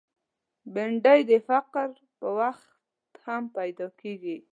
بېنډۍ د فقر پر وخت هم پیدا کېږي